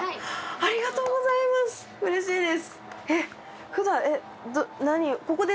ありがとうございます。